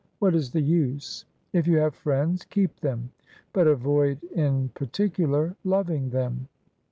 What is the use ? If you have friends, keep them. But avoid, in particular, loving them."